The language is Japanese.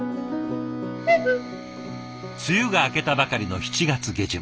梅雨が明けたばかりの７月下旬。